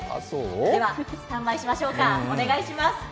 では、スタンバイしましょうか、お願いします。